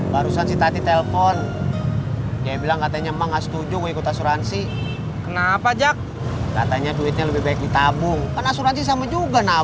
barusan si dati telepon dia bilang katanya enggak setuju ikut asuransi kenapa jack katanya duitnya lebih baik ditabung asuransi sama juga nabung mungkin mertua kamu nggak ngerti jack